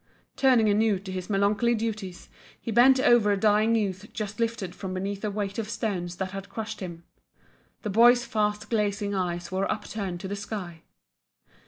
Turning anew to his melancholy duties, he bent over a dying youth just lifted from beneath a weight of stones that had crushed him. The boy's fast glazing eyes were upturned to the sky.